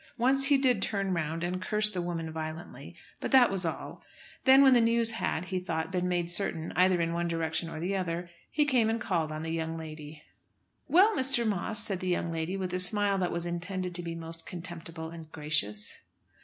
Once he did turn round and curse the woman violently, but that was all. Then, when the news had, he thought, been made certain, either in one direction or the other, he came and called on the young lady. "Well, Mr. Moss," said the young lady, with a smile that was intended to be most contemptible and gracious.